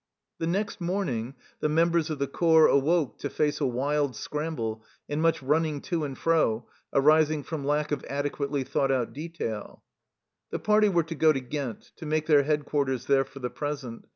The next morning the members of the corps awoke to face a wild scramble and much running to and fro, arising from lack of adequately thought out detail. The party were to go to Ghent, to make their headquarters there for the present.